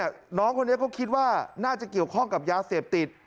เพราะนี่น้องคนนี้ก็คิดว่าน่าจะเกี่ยวข้องกับยาเสพติด